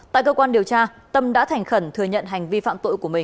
tại cơ quan điều tra tâm đã thành khẩn thừa nhận hành vi phạm tội của mình